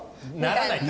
ならない。